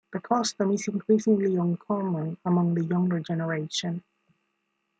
The custom is increasingly uncommon among the younger generation.